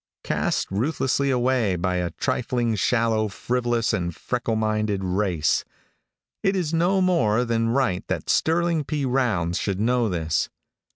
Cast ruthlessly away by a trifling, shallow, frivolous and freckle minded race! It is no more than right that Sterling P. Rounds should know this.